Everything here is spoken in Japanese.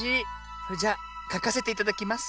それじゃあかかせていただきます。